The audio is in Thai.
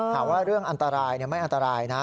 เรื่องอันตรายไม่อันตรายนะ